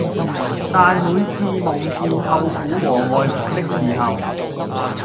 但每次夢見舅父和外婆的時候